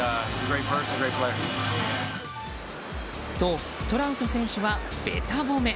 と、トラウト選手はべた褒め。